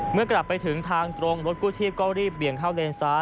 เมื่อกลับไปถึงทางตรงรถกู้ชีพก็รีบเบี่ยงเข้าเลนซ้าย